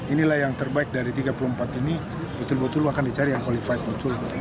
inilah yang terbaik dari tiga puluh empat ini betul betul akan dicari yang qualified betul